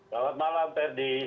selamat malam ferdie